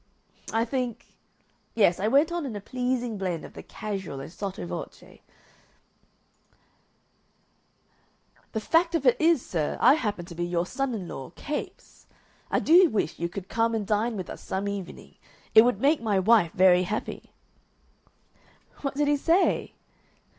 "I think yes, I went on in a pleasing blend of the casual and sotto voce, 'The fact of it is, sir, I happen to be your son in law, Capes. I do wish you could come and dine with us some evening. It would make my wife very happy.'" "What did he say?"